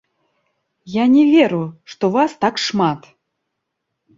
Я не веру, што вас так шмат!